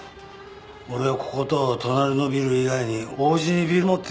俺はここと隣のビル以外に王子にビル持ってるんだから。